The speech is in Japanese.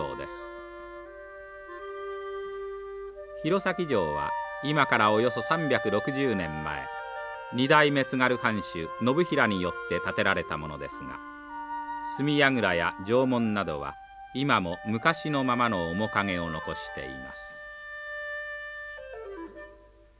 弘前城は今からおよそ３６０年前２代目津軽藩主信枚によって建てられたものですが隅やぐらや城門などは今も昔のままの面影を残しています。